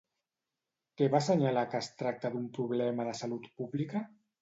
Què va assenyalar que es tracta d'un problema de salut pública?